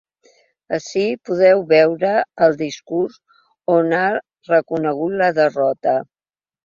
Ací podeu veure el discurs on ha reconegut la derrota.